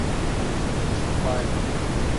İstifa etti.